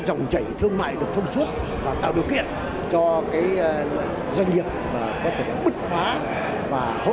dòng chảy thương mại được thông suốt và tạo điều kiện cho doanh nghiệp có thể bứt phá và hỗ